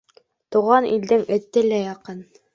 Тыуған илдең эте лә яҡын.